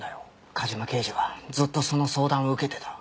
梶間刑事はずっとその相談を受けてた。